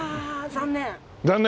残念？